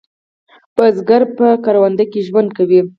بزګر په کروندو کې ژوند کوي